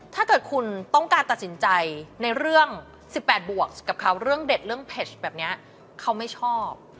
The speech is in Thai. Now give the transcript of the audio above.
ถ้าเกิดคุณต้องการตัดสินใจในเรื่อง๑๘บวกกับเขาเรื่องเด็ดเรื่องเพจแบบนี้เขาไม่ชอบ